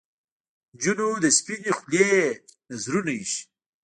نجونو د سپنې خولې نذرونه ایښي